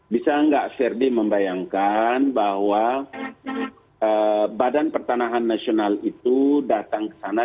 bisa nggak ferdi membayangkan bahwa badan pertanahan nasional itu datang ke sana